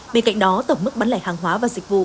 bên cạnh đó tổng mức bán lẻ hàng hóa và dịch vụ